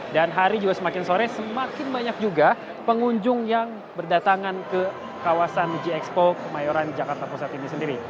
dan hari juga semakin sore semakin banyak juga pengunjung yang berdatangan ke kawasan jxpo kemarun canggata pusat ini sendiri